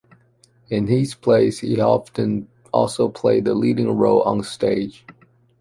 In his plays he often also played the leading role on stage.